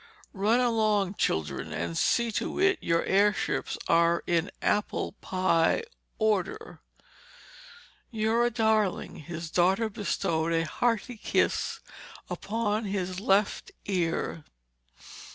Run along, children, and see to it your airships are in apple pie order." "You're a darling!" His daughter bestowed a hearty kiss upon his left ear.